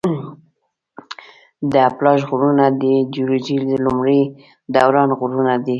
د اپلاش غرونه د جیولوجي د لومړي دوران غرونه دي.